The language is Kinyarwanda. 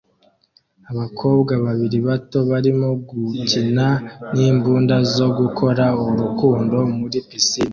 Abakobwa babiri bato barimo gukina n'imbunda zo gukora urukundo muri pisine